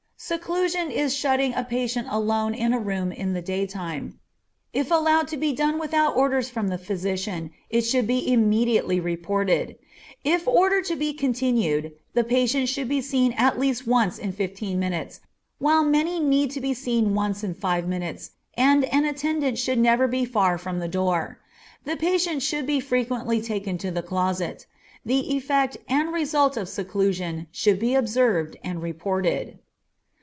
_ Seclusion is shutting a patient alone in a room in the daytime. If allowed to be done without orders from the physician it should be immediately reported. If ordered to be continued the patient should be seen at least once in fifteen minutes, while many need to be seen once in five minutes, and an attendant should never be far from the door. The patient should be frequently taken to the closet. The effect and result of seclusion should be observed and reported.